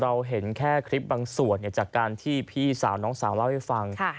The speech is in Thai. เราเห็นแค่คลิปบางส่วนจากการที่พี่สาวน้องสาวเล่าให้ฟัง